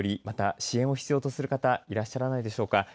また、支援を必要とする方いらっしゃらないでしょうか。